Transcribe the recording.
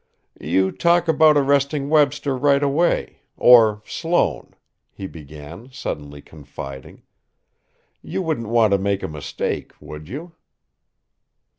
"You talk about arresting Webster right away or Sloane," he began, suddenly confiding. "You wouldn't want to make a mistake would you?"